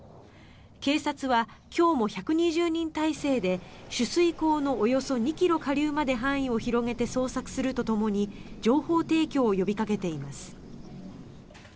警察は今日も１２０人態勢で取水口のおよそ２ｋｍ下流まで範囲を広げて捜索するとともに情報提供を呼びかけています。